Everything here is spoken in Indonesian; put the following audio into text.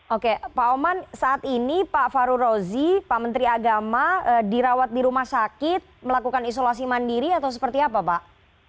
oke pak oman saat ini pak faru rozi pak menteri agama dirawat di rumah sakit melakukan isolasi mandiri atau seperti apa pak